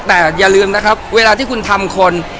แต่อย่าลืมนะครับเวลาที่คุณทำคน